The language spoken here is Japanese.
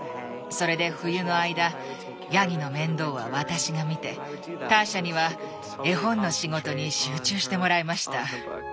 それで冬の間ヤギの面倒は私が見てターシャには絵本の仕事に集中してもらいました。